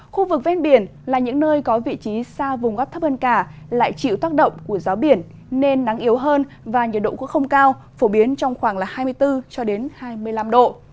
khu vực ven biển là những nơi có vị trí xa vùng gấp thấp hơn cả lại chịu tác động của gió biển nên nắng yếu hơn và nhiệt độ cũng không cao phổ biến trong khoảng hai mươi bốn cho đến hai mươi năm độ